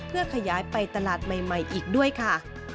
เพื่อขยายไปตลาดใหม่อีกด้วยค่ะ